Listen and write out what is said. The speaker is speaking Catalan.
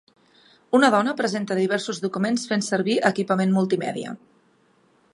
Una dona presenta diversos documents fent servir equipament multimèdia.